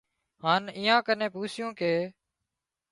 هانَ ايئان ڪن پوسِيُون ڪي